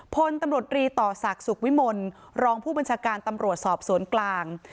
พลตำรวจรีต่อศักดิ์สุขวิมลรองผู้บัญชาการตำรวจสอบสวนกลาง